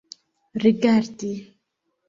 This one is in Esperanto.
rigardi